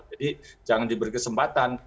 jadi jangan diberi kesempatan